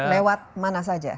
lewat mana saja